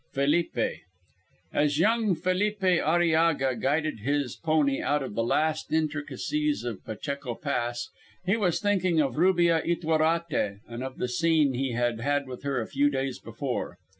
FELIPE As young Felipe Arillaga guided his pony out of the last intricacies of Pacheco Pass, he was thinking of Rubia Ytuerate and of the scene he had had with her a few days before.